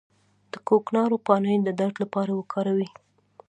د کوکنارو پاڼې د درد لپاره وکاروئ